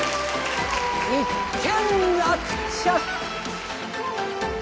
一件落着。